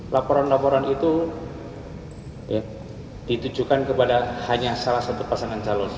laporan laporan itu ditujukan kepada hanya salah satu pasangan calon